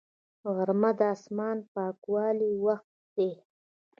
غرمه د اسمان د پاکوالي وخت دی